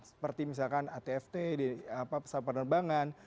seperti misalkan atft pesawat penerbangan